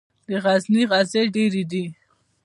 د غزني غزې ډیرې دي